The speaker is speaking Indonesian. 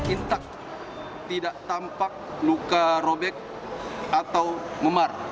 intak tidak tampak luka robek atau memar